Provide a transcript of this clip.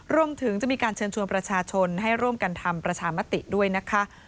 รวมถึงจะมีการเชิญชวนประชาชนให้ร่วมกันทำประชามติด้วยนะคะ